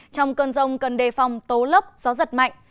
trong cơn rong cần đề phòng tố lấp gió giật mạnh